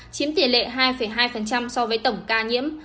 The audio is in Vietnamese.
chiếm tỷ lệ hai hai so với tổng ca nhiễm